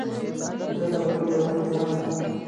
مځکه د لوږې او تندې حل ده.